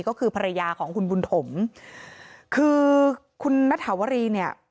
ก็คือภรรยาของคุณบุญถมคือคุณณฐาวรีเนี่ย